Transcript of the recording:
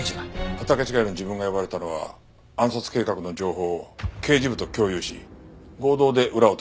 畑違いの自分が呼ばれたのは暗殺計画の情報を刑事部と共有し合同で裏を取るためです。